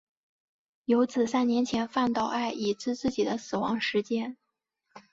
有指三年前饭岛爱已知自己的死亡时间。